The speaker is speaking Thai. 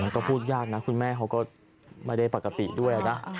ก็พูดยากนะคุณแม่เขาก็ไม่ได้ปกติด้วยนะ